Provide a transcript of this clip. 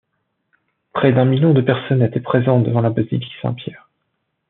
Près d'un million de personnes étaient présentes devant la basilique Saint-Pierre.